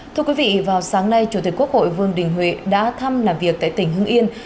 thưa quý vị vào sáng nay chủ tịch quốc hội vương đình huệ đã thăm làm việc tại tỉnh hưng yên